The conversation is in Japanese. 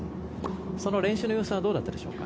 その練習の様子はどうだったでしょうか。